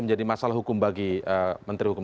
menjadi masalah hukum bagi menteri hukum